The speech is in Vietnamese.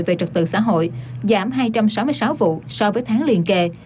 về trật tự xã hội giảm hai trăm sáu mươi sáu vụ so với tháng liền kề